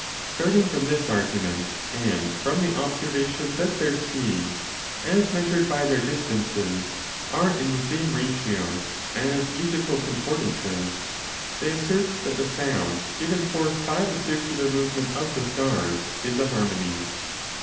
Starting from this argument and from the observation that their speeds, as measured by their distances, are in the same ratios as musical concordances, they assert that the sound given forth by the circular movement of the stars is a harmony.